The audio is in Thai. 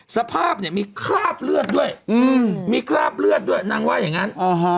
สภาพเนี่ยมีคราบเลือดด้วยมีคราบเลือดด้วยนางว่าอย่างนั้น